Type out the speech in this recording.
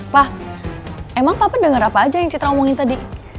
pak emang papa dengar apa aja yang citra omongin tadi